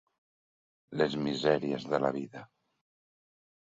Les misèries de la vida.